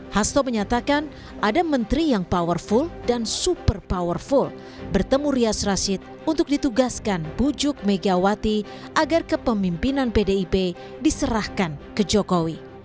hasto menyatakan ada menteri yang powerful dan super powerful bertemu rias rashid untuk ditugaskan bujuk megawati agar kepemimpinan pdip diserahkan ke jokowi